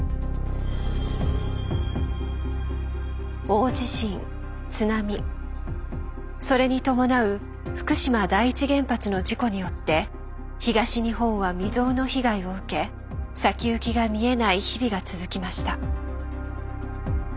大地震津波それに伴う福島第一原発の事故によって東日本は未曽有の被害を受け先行きが見えない日々が続きました。